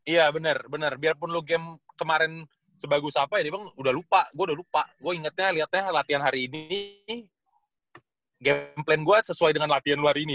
iya bener bener biarpun lu game kemarin sebagus apa ya dia bilang udah lupa gua udah lupa gua ingetnya liatnya latihan hari ini game plan gua sesuai dengan latihan lu hari ini